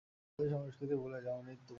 আমাদের সংস্কৃতি ভুলে যাওনি তুমি।